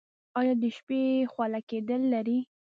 ایا د شپې خوله کیدل لرئ؟